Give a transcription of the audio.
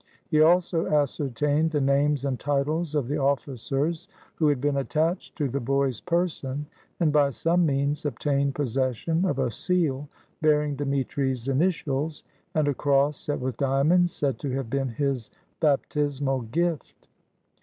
He also ascertained the names and titles of the officers who had been attached to the boy's person, and by some means obtained possession of a seal bearing Dmitri's initials, and a cross set with diamonds, said to have been his baptismal gift.